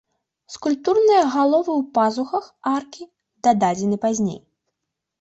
Скульптурныя галовы ў пазухах аркі дададзены пазней.